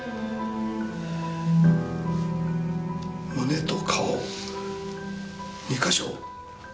胸と顔２か所？